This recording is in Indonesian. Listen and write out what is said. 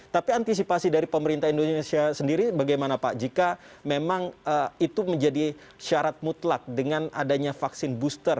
tapi antisipasi dari pemerintah indonesia sendiri bagaimana pak jika memang itu menjadi syarat mutlak dengan adanya vaksin booster